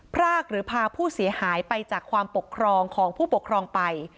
พรากหรือพาผู้เสียหายไปจากความปกครองของผู้ปกครองไป